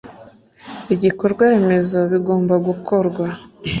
igikorwaremezo bigomba gukorwa